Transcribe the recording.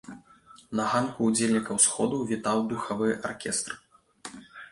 На ганку ўдзельнікаў сходу вітаў духавы аркестр.